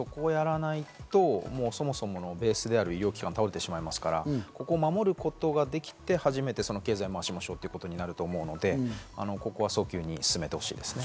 そこをやらないとベースである医療機関が倒れてしまいますから、そこ守ることができて初めて経済を回しましょうということになると思うので早急に進めてほしいですね。